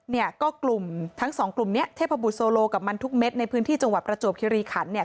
เนี่ยก็กลุ่มทั้งสองกลุ่มเนี้ยเทพบุตรโซโลกับมันทุกเม็ดในพื้นที่จังหวัดประจวบคิริขันเนี่ย